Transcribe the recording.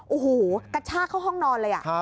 โอ้โหกระชากเข้าห้องนอนเลย